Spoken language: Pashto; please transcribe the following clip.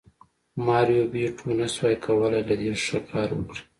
ماریو بیوټو نشوای کولی له دې ښه کار وکړي